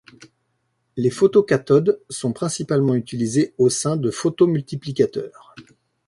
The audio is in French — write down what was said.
Les photocathodes sont principalement utilisées au sein de photomultiplicateurs.